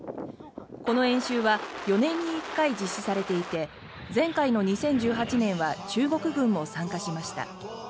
この演習は４年に１回実施されていて前回の２０１８年は中国軍も参加しました。